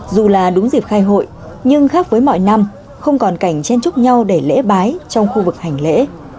dù là đúng dịp khai hội nhưng khác với mọi năm không còn cảnh chen chúc nhau để lễ bái trong khu vực hành lễ